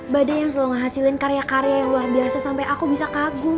badai yang selalu ngasilin karya karya yang luar biasa sampai aku bisa kagum